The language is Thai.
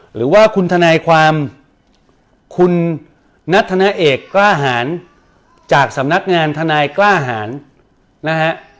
หรือว่าคุณทนายความคุณนัทธนาเอกกล้าหารจากสำนักงานทนายกล้าหารนะฮะ